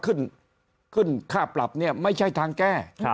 ขึ้นค่าปรับเนี่ยไม่ใช่ทางแก้